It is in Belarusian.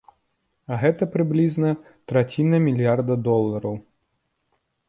А гэта прыблізна траціна мільярда долараў.